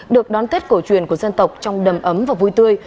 được đón tết cổ truyền của dân tộc trong đầm ấm và vui tươi